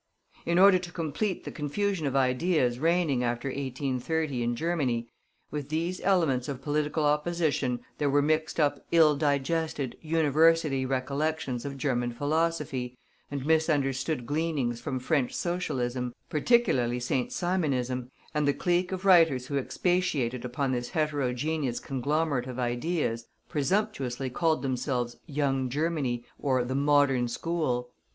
In order to complete the confusion of ideas reigning after 1830 in Germany, with these elements of political opposition there were mixed up ill digested university recollections of German philosophy, and misunderstood gleanings from French Socialism, particularly Saint Simonism; and the clique of writers who expatiated upon this heterogeneous conglomerate of ideas, presumptuously called themselves "Young Germany," or "the Modern School."